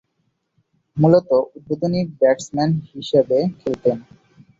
মূলতঃ উদ্বোধনী ব্যাটসম্যান হিসেবে খেলতেন।